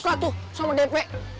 sama dp ya udah berapa